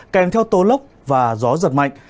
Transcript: kèm theo tố lốc và gió giật mạnh